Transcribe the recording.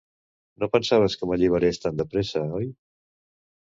No pensaves que m'alliberés tan depressa, oi?